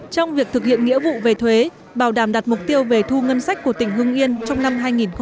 trong việc thực hiện nghĩa vụ về thuế bảo đảm đặt mục tiêu về thu ngân sách của tỉnh hưng yên trong năm hai nghìn hai mươi